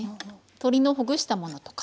鶏のほぐしたものとか。